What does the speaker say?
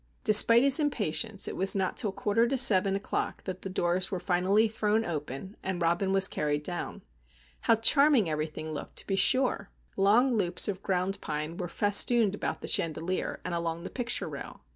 Despite his impatience, it was not till quarter to seven o'clock that the doors were finally thrown open and Robin was carried down. How charming everything looked, to be sure! Long loops of ground pine were festooned about the chandelier, and along the picture rail.